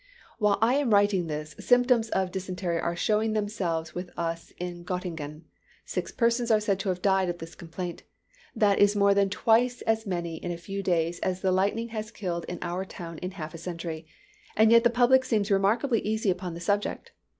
"While I am writing this, symptoms of dysentery are showing themselves with us in Gottingen. Six persons are said to have died of this complaint that is more than twice as many in a few days as the lightning has killed in our town in half a century and yet the public seems remarkably easy upon the subject.